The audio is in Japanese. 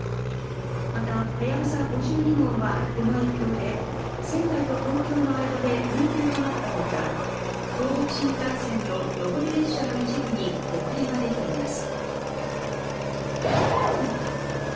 また、はやぶさ５２号はこの影響で、仙台と東京の間で運休となったほか、東北新幹線の上り列車の一部に遅れが出ています。